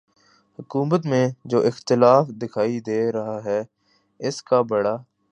حکومت میں جو اختلاف دکھائی دے رہا ہے اس کا بڑا